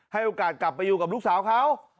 ให้โอกาสกลับไปอยู่กับลูกสาวเขา